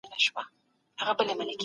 لاس کښلي کتابونه او د ده د شخصي کتابتون